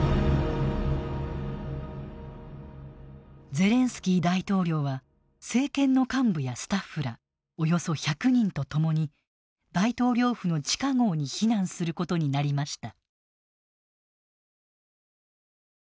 ゼレンスキー大統領は政権の幹部やスタッフらおよそ１００人と共に大統領府の地下壕に避難することになりました。